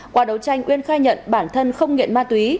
qua đấu tranh uyên khai nhận bản thân không nghiện ma túy